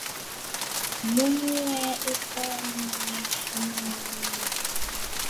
Ǹgɔ̀ʼɔ̀ ya ɨ̀ kà mə aa nlɨ.